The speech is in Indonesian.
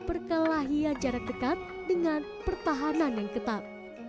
perkelahian jarak dekat dengan pertahanan yang ketat